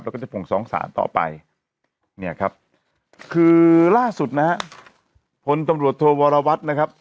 แล้วก็จะส่งฟ้องศาลต่อไปเนี่ยครับคือล่าสุดนะฮะพลตำรวจโทวรวัตรนะครับ